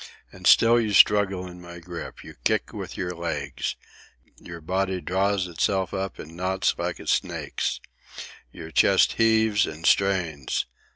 And still you struggle in my grip. You kick with your legs. Your body draws itself up in knots like a snake's. Your chest heaves and strains.